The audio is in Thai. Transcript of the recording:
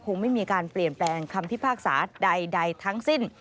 ไม่มีการเปลี่ยนแปลงคำพิพากษาใดทั้งสิ้น